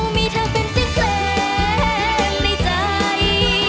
มีเธอเป็นเส้นในใจ